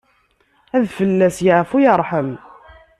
Ad fell-as yeɛfu yerḥem.